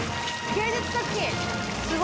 芸術作品。